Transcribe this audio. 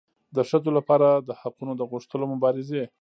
د ښځو لپاره د حقونو د غوښتلو مبارزې